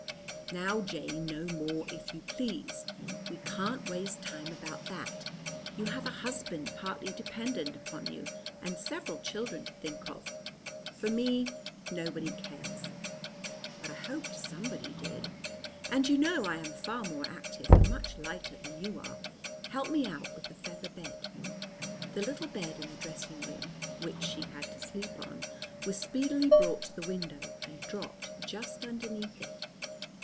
"Now, Jane, no more, if you please. We can't waste time about that. You have a husband partly dependent upon you, and several children to think of. For me nobody cares." But I hoped somebody did. "And you know I am far more active and much lighter than you are. Help me out with the feather bed." The little bed in the dressing room, which she had to sleep on, was speedily brought to the window, and dropped just underneath it.